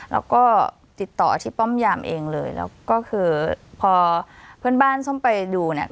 แล้วก็ติดต่อที่ป้อมยามเองเลยแล้วก็คือพอเพื่อนบ้านส้มไปดูเนี่ย